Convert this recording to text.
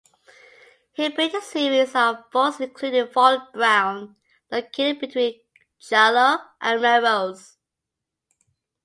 He built a series of forts, including Fort Brown, located between Charloe and Melrose.